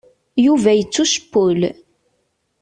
Yuba yettucewwel.